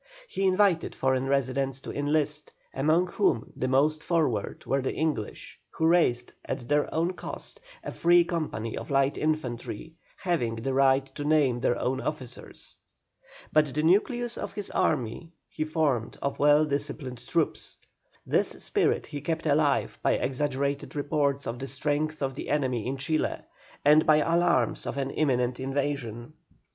He invited foreign residents to enlist, among whom the most forward were the English, who raised at their own cost a free company of light infantry, having the right to name their own officers. But the nucleus of his army he formed of well disciplined troops. This spirit he kept alive by exaggerated reports of the strength of the enemy in Chile, and by alarms of an imminent invasion.